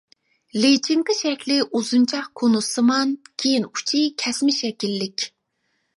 لىچىنكا شەكلى ئۇزۇنچاق كونۇسسىمان، كېيىن ئۇچى كەسمە شەكىللىك.